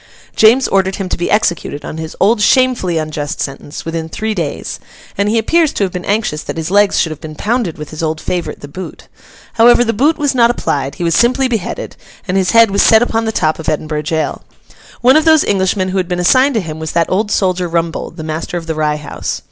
James ordered him to be executed, on his old shamefully unjust sentence, within three days; and he appears to have been anxious that his legs should have been pounded with his old favourite the boot. However, the boot was not applied; he was simply beheaded, and his head was set upon the top of Edinburgh Jail. One of those Englishmen who had been assigned to him was that old soldier Rumbold, the master of the Rye House.